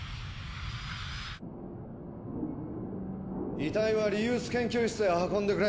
遺体はリユース研究室へ運んでくれ。